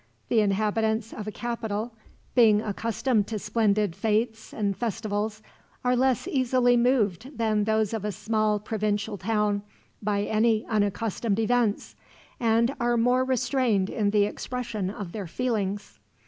The inhabitants of a capital, being accustomed to splendid fetes and festivals, are less easily moved than those of a small provincial town by any unaccustomed events, and are more restrained in the expression of their feelings.